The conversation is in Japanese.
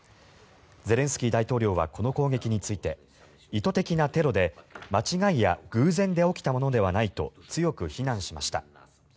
ゼレンスキー大統領はこの攻撃について意図的なテロで間違いや偶然で起きたものではないと強く非難しました。